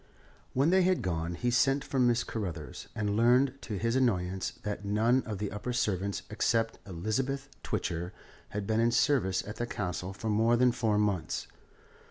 When they had gone he sent for Mrs. Carruthers, and learned, to his annoyance, that none of the upper servants except Elizabeth Twitcher had been in service at the Castle for more than four months.